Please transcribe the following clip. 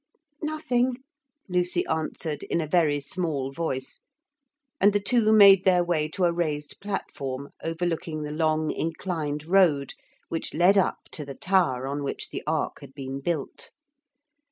'Nothing,' Lucy answered in a very small voice, and the two made their way to a raised platform overlooking the long inclined road which led up to the tower on which the ark had been built.